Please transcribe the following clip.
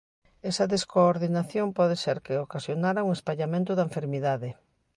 Esa descoordinación pode ser que ocasionara un espallamento da enfermidade.